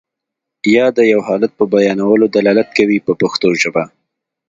یا د یو حالت په بیانولو دلالت کوي په پښتو ژبه.